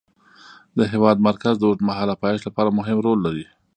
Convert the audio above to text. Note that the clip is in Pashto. د هېواد مرکز د اوږدمهاله پایښت لپاره مهم رول لري.